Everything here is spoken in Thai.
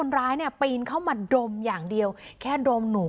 สำหรับผู้ชายของพี่คู่แน่คุ้นตาม